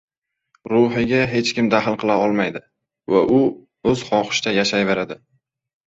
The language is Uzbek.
Ruhiga hech kim dahl qila olmaydi va u o‘z xohishicha yashayveradi.